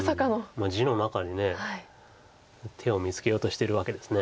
まあ地の中に手を見つけようとしてるわけです。